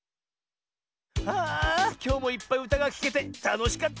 あきょうもいっぱいうたがきけてたのしかったぜ！